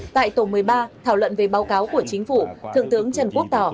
tại tổ một mươi ba thảo luận về báo cáo của chính phủ thượng tướng trần quốc tỏ